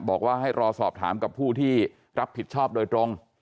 บอกว่าให้รอสอบถามกับผู้ที่รับผิดชอบโดยตรง